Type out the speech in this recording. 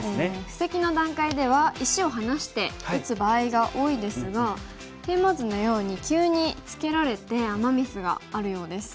布石の段階では石を離して打つ場合が多いですがテーマ図のように急にツケられてアマ・ミスがあるようです。